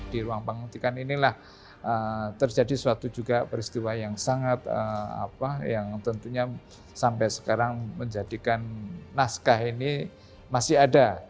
di ruang penghentikan inilah terjadi suatu juga peristiwa yang sangat apa yang tentunya sampai sekarang menjadikan naskah ini masih ada